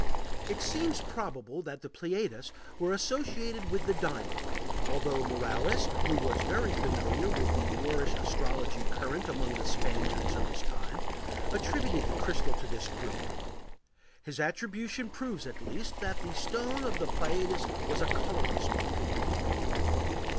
It seems probable that the Pleiades were associated with the diamond, although Morales, who was very familiar with the Moorish astrology current among the Spaniards of his time, attributed the crystal to this group. His attribution proves at least that the stone of the Pleiades was a colorless one.